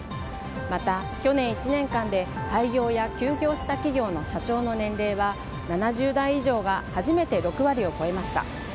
また去年１年間で廃業や休業した企業の社長の年齢は７０代以上が初めて６割を超えました。